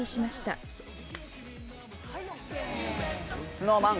ＳｎｏｗＭａｎ